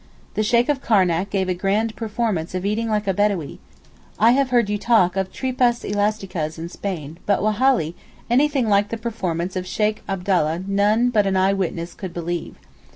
The Sheykh of Karnac gave a grand performance of eating like a Bedawee. I have heard you talk of tripas elasticas in Spain but Wallahi! anything like the performance of Sheykh Abdallah none but an eyewitness could believe.